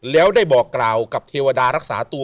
แล้วได้บอกกล่าวกับเทวดารักษาตัว